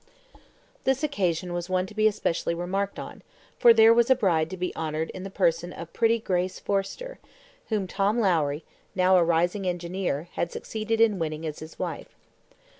This occasion was one to be especially remarked on, for there was a bride to be honoured in the person of pretty Grace Forrester, whom Tom Lowrie, now a rising engineer, had succeeded in winning as his wife.